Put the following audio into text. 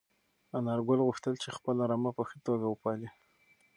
انارګل غوښتل چې خپله رمه په ښه توګه وپالي.